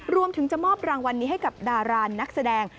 รวมถึงจะมอบรางวัลนี้ให้กับดารานักแสดง